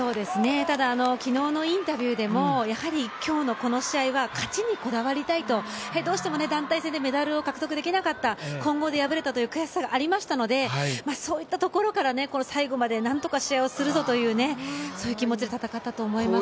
ただ昨日のインタビューでも今日のこの試合は勝ちにこだわりたいと、どうしても団体戦でメダルを獲得できなかった混合で敗れたという悔しさがありましたので、そういったところで最後までなんとか試合をするぞという気持ちで戦ったと思います。